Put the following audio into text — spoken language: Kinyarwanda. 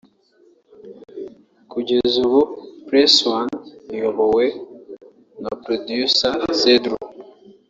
Kugeza ubu Press One iyobowe na Producer Cedru